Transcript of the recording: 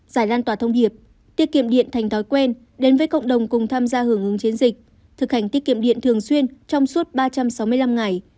giải lan tỏa thông điệp tiết kiệm điện thành thói quen đến với cộng đồng cùng tham gia hưởng ứng chiến dịch thực hành tiết kiệm điện thường xuyên trong suốt ba trăm sáu mươi năm ngày